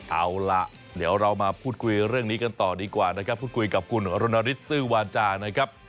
เอาล่ะเดี๋ยวเรามาพูดคุยเรื่องนี้กันต่อดีกว่านะครับพูดคุยกับคุณรณฤทธซื้อวาจานะครับ